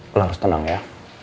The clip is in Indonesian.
kamu harus tenang ya